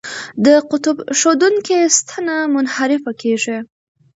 د قطب ښودونکې ستنه منحرفه کیږي.